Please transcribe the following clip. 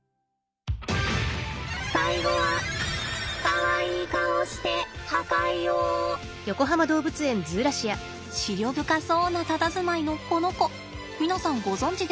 最後はかわいい顔して思慮深そうなたたずまいのこの子皆さんご存じですか？